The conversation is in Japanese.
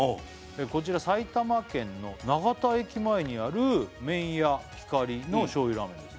こちら「埼玉県の永田駅前にある」「麺屋光の醤油ラーメンです